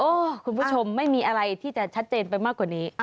คุณผู้ชมไม่มีอะไรที่จะชัดเจนไปมากกว่านี้